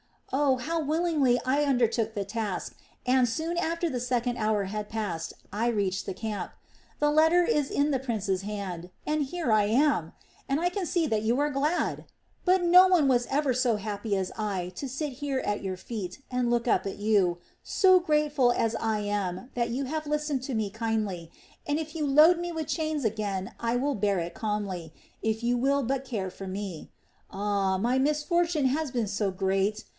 Oh, how willingly I undertook the task and, soon after the second hour had passed, I reached the camp. The letter is in the prince's hands, and here am I and I can see that you are glad! But no one was ever so happy as I to sit here at your feet, and look up to you, so grateful as I am that you have listened to me so kindly, and if they load me with chains again I will bear it calmly, if you will but care for me. Ah, my misfortune has been so great!